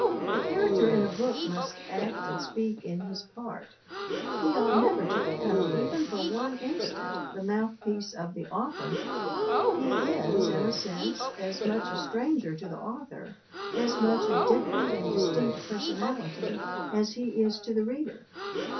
A character in a book must act and speak in his part ; he ought never to become even for one instant the mouthpiece of the author; he is, in a sense, as much a stranger to the author, as much a different and dis tinct personality, as he is to the reader.